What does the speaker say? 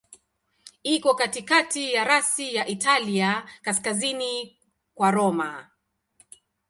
Iko katikati ya rasi ya Italia, kaskazini kwa Roma.